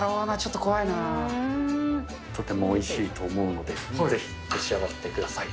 とてもおいしいと思うので、ぜひ召し上がってください。